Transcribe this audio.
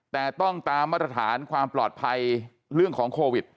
แต่ต้องตามมาตรฐานความปลอดภัยเรื่องของโควิด